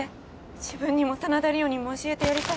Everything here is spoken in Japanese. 自分にも真田梨央にも教えてやりたい